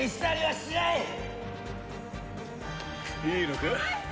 いいのか？